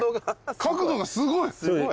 角度がすごい！